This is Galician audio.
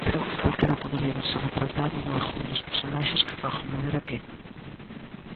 Creo que calquera podería verse retratado nalgún dos personaxes que fago mover aquí.